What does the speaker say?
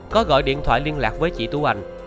có gọi điện thoại liên lạc với chị tú anh